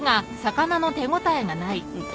うん。